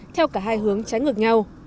theo cả hai hướng trái ngược nhau